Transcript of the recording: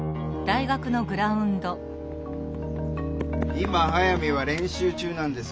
今速水は練習中なんですが。